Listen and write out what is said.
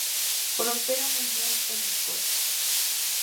Prospera muy bien en Escocia.